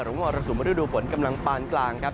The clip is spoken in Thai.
มรสุมฤดูฝนกำลังปานกลางครับ